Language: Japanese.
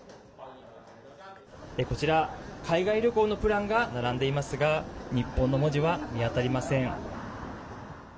こちら、海外旅行のプランが並んでいますが日本の文字は見当たりません。